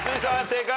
正解。